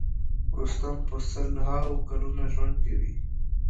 رستم په سل هاوو کلونه ژوند کوي.